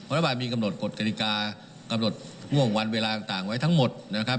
รัฐบาลมีกำหนดกฎกฎิกากำหนดง่วงวันเวลาต่างไว้ทั้งหมดนะครับ